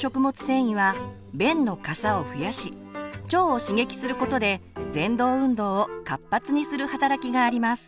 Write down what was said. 繊維は便のかさを増やし腸を刺激することでぜん動運動を活発にする働きがあります。